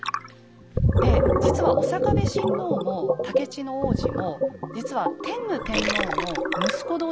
で実は刑部親王も高市皇子も実は天武天皇の息子同士なんですね。